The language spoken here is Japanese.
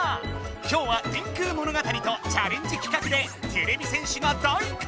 今日は電空物語とチャレンジ企画でてれび戦士が大活やく。